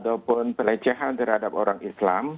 ataupun pelecehan terhadap orang islam